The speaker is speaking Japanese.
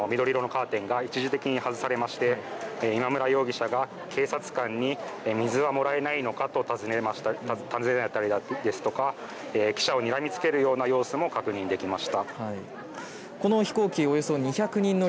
その後、着陸前にも緑色のカーテンが一時的に外されまして今村容疑者が警察官に水はもらえないのかと尋ねたりですとか記者をにらみつけるような様子も確認できました。